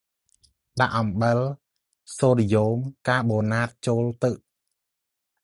ដាក់អំបិលនិងសូដ្យូមប៊ីកាបូណាតចូលទឹក។